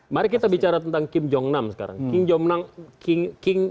mari kita bicara tentang kim jong enam sekarang